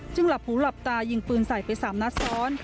หลับหูหลับตายิงปืนใส่ไป๓นัดซ้อน